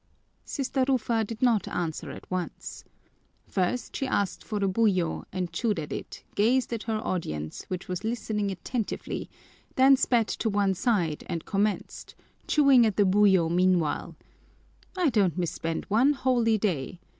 Sister Rufa did not answer at once. First, she asked for a buyo and chewed at it, gazed at her audience, which was listening attentively, then spat to one side and commenced, chewing at the buyo meanwhile: "I don't misspend one holy day!